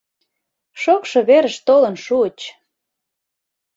Шокшо верыш толын шуыч!